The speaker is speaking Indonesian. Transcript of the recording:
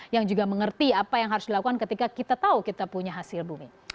yang juga mengerti apa yang harus dilakukan ketika kita tahu kita punya hasil bumi